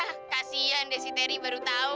yah kasihan deh si teri baru tau